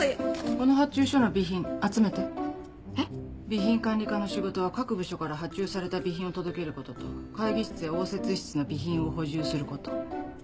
備品管理課の仕事は各部署から発注された備品を届けることと会議室や応接室の備品を補充すること。